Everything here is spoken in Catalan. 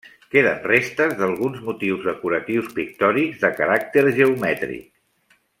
Queden restes d'alguns motius decoratius pictòrics de caràcter geomètric.